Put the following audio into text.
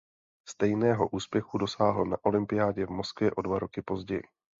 Stejného úspěchu dosáhl na olympiádě v Moskvě o dva roky později.